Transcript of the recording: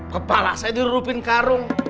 kepala saya dirupin karung